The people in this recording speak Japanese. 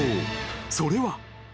［それは］